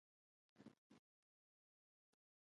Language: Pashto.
پر نیمه خټینو دیوالونو شیندلې وې.